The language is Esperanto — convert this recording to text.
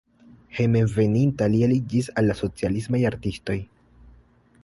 Hejmenveninta li aliĝis al la socialismaj artistoj.